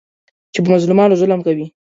چې په مظلومانو ظلم کوي.